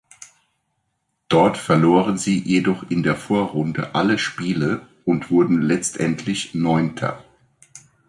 Dort verloren sie jedoch in der Vorrunde alle Spiele und wurden letztendlich Neunter.